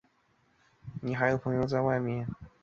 你还有朋友在外面？